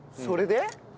それで？